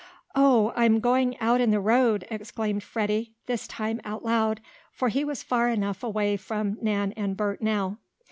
"Oh! I'm going out in the road!" exclaimed Freddie, this time out loud, for he was far enough away from Nan and Bert now.